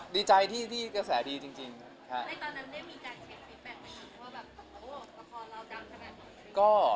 ดีใจที่เก่าแขนกันที่กันเยอะมาก